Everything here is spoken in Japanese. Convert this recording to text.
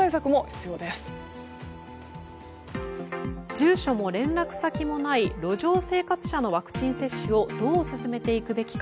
住所も連絡先もない路上生活者のワクチン接種をどう進めていくべきか。